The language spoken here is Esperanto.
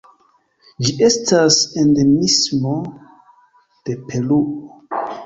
Ĝi estas endemismo de Peruo.